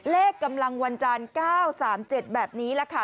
เลขกำลังวรรณจาน๙๓๗แบบนี้แหละค่ะ